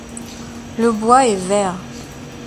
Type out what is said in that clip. Le bois est vert.